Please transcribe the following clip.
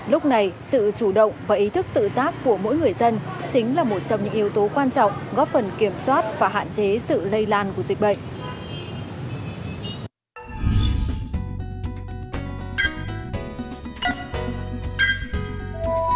lúc này sự chủ động và ý thức tự giác của mỗi người dân chính là một trong những yếu tố quan trọng góp phần kiểm soát và hạn chế sự lây lan của dịch bệnh